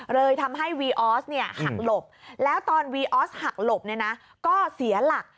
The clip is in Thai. เลยทำให้วีออสเนี่ยหักหลบแล้วตอนวีออสหักหลบก็เสียหลัก